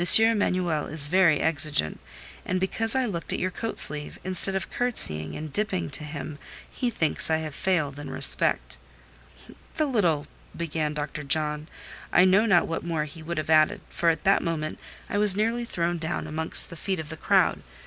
Emanuel is very exigeant, and because I looked at your coat sleeve, instead of curtseying and dipping to him, he thinks I have failed in respect." "The little—" began Dr. John: I know not what more he would have added, for at that moment I was nearly thrown down amongst the feet of the crowd.